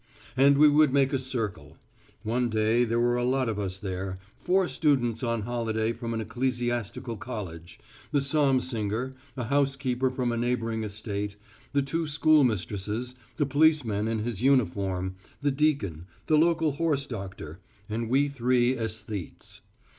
And we would make a circle. One day there were a lot of us there; four students on holiday from an ecclesiastical college, the psalm singer, a housekeeper from a neighbouring estate, the two school mistresses, the policeman in his uniform, the deacon, the local horse doctor, and we three æsthetes.